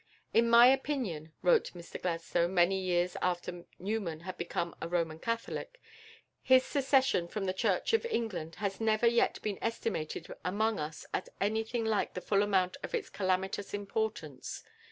"In my opinion," wrote Mr Gladstone many years after Newman had become a Roman Catholic, "his secession from the Church of England has never yet been estimated among us at anything like the full amount of its calamitous importance.